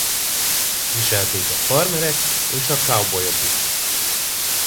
Viselték a farmerek és a cowboyok is.